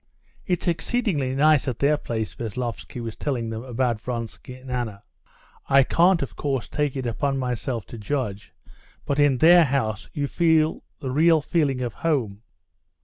"It's exceedingly nice at their place," Veslovsky was telling them about Vronsky and Anna. "I can't, of course, take it upon myself to judge, but in their house you feel the real feeling of home."